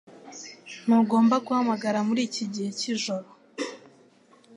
Ntugomba guhamagara muri iki gihe cyijoro.